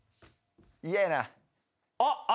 嫌やな。